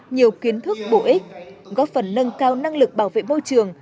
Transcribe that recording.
nhiều kiến thức bổ ích góp phần nâng cao năng lực bảo vệ môi trường